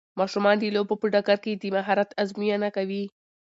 ماشومان د لوبو په ډګر کې د مهارت ازموینه کوي.